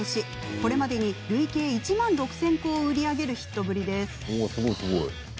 これまでに累計１万６０００個を売り上げるヒットぶりです。